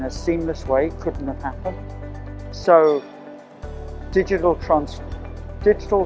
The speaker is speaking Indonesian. kita akan terus mendapatkan manfaat dari inovasi digital